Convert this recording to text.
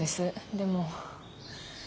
でも。